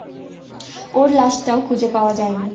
ওর লাশটাও খুঁজে পাওয়া যায়নি।